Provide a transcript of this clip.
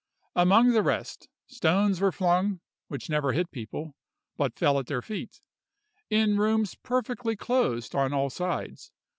Among the rest, stones were flung, which never hit people, but fell at their feet, in rooms perfectly closed on all sides.